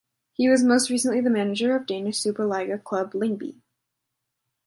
He was most recently the manager of Danish Superliga club Lyngby.